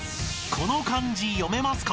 ［この漢字読めますか？］